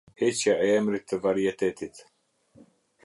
Heqja e emrit të varietetit.